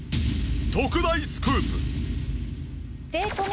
特大スクープ。